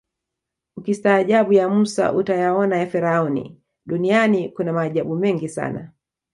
ukistaajabu ya Musa utayaona ya Firauni duniani kuna maajabu mengi sana